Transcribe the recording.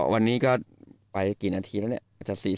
วันนี้ก็ไปกี่นาทีแล้วเนี่ย